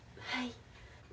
はい。